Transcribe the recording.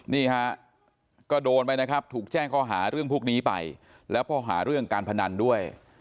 นี่ฮะก็โดนไปนะครับถูกแจ้งข้อหาเรื่องพวกนี้ไปแล้วข้อหาเรื่องการพนันด้วย